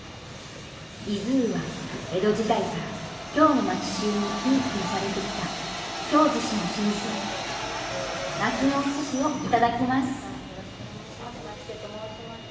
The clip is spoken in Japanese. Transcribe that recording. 「いづう」は江戸時代から京の町衆にひいきにされてきた京寿司の老舗夏のお寿司をいただきます牧瀬と申します。